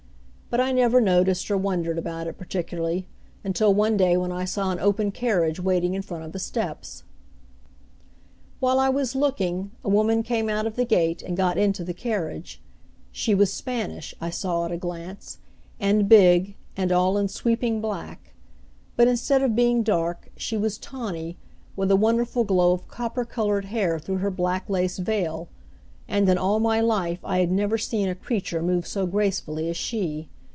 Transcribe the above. But I never noticed or wondered about it particularly until one day when I saw an open carriage waiting in front of the steps. While I was looking a woman came out of the gate, and got into the carriage. She was Spanish, I saw at a glance, and big, and all in sweeping black, but instead of being dark she was tawny, with a wonderful glow of copper colored hair through her black lace veil, and in all my life I had never seen a creature move so gracefully as she.